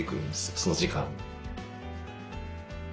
その時間に。